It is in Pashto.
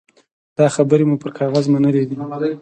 دا خبرې مو پر کاغذ منلي دي.